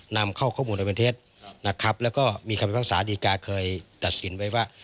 นำเข้าข้อมูลบันเทศและมีคำพิวักษาอดีกาเคยตัดสินไว้ว่า